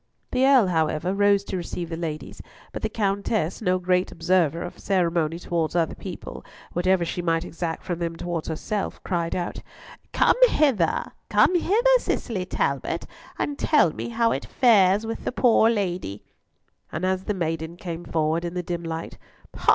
The Earl, however, rose to receive the ladies; but the Countess, no great observer of ceremony towards other people, whatever she might exact from them towards herself, cried out, "Come hither, come hither, Cicely Talbot, and tell me how it fares with the poor lady," and as the maiden came forward in the dim light— "Ha!